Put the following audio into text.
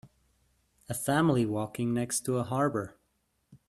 A family walking next to a harbor.